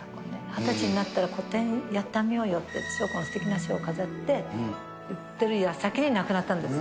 ２０歳になったら、個展やってあげようよって、翔子のすてきな書を飾ってって言ってるやさきに、亡くなったんです。